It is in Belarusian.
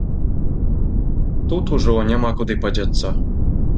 Тут ужо няма куды падзецца.